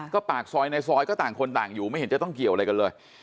ก็ปากซอยในซอยก็ต่างคนต่างอยู่ไม่เห็นจะต้องเกี่ยวอะไรกันเลย